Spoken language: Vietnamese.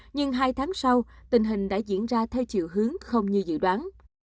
nhưng hai tháng sau tình hình đã diễn ra theo chiều hướng không như dự đoán